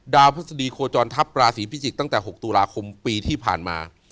พฤษฎีโคจรทัพราศีพิจิกษตั้งแต่๖ตุลาคมปีที่ผ่านมา